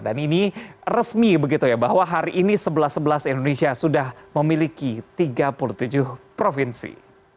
dan ini resmi bahwa hari ini sebelas sebelas indonesia sudah memiliki tiga puluh tujuh provinsi